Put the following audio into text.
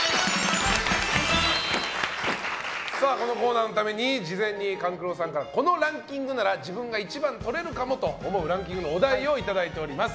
このコーナーのために事前に勘九郎さんからこのランキングなら自分が１番とれるかもというランキングのお題をいただいております。